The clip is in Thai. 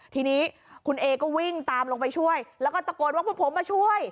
ทีนี้คุณเอก็วิ่งตามลงไปช่วยแล้วก็ตะโกนว่าพวกผมมาช่วย